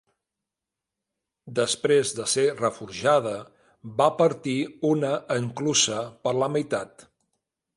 Després de ser reforjada va partir una enclusa per la meitat.